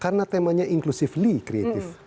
karena temanya inklusifly kreatif